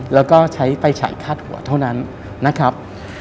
แล้วก็ใช้ไฟฉายคาดหัวเท่านั้นนะครับ